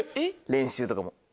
練習とかも。